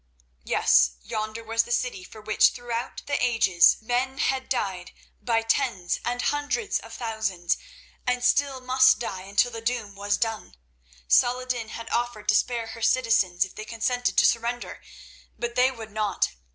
Yes, yonder was the city for which throughout the ages men had died by tens and hundreds of thousands, and still must die until the doom was done. Saladin had offered to spare her citizens if they consented to surrender, but they would not.